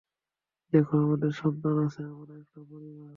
দেখো আমাদের সন্তান আছে, আমরা একটা পরিবার।